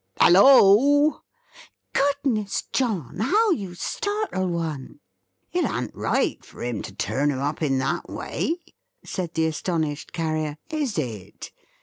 Halloa!" "Goodness John, how you startle one!" "It an't right for him to turn 'em up in that way!" said the astonished Carrier, "is it?